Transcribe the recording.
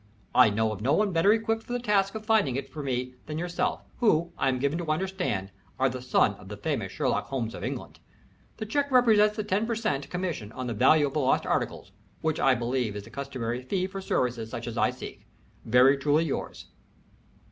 I know of no one better equipped for the task of finding it for me than yourself, who, I am given to understand, are the son of the famous Sherlock Holmes of England. The check represents the ten per cent. commission on the value of the lost articles, which I believe is the customary fee for services such as I seek. Very truly yours."